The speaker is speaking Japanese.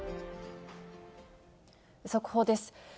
速報です。